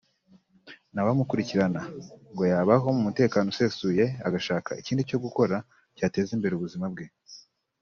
nta wamukurikirana ngo yabaho mu mutekano usesuye agashaka ikindi cyo gukora cyateza imbere ubuzima bwe